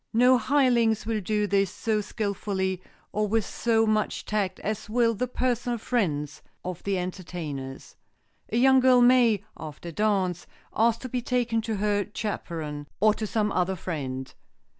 No hirelings will do this so skilfully or with so much tact as will the personal friends of the entertainers. A young girl may, after a dance, ask to be taken to her chaperon, or to some other friend.